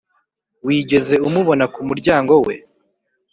wigeze umubona kumuryango we,